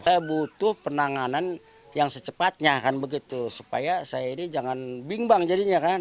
saya butuh penanganan yang secepatnya kan begitu supaya saya ini jangan bimbang jadinya kan